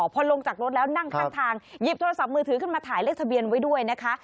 พอลงจากรถแล้วนั่งข้างทางหยิบโทรศัพท์มือถือขึ้นมาถ่ายเลขทะเบียนไว้ด้วยนะคะ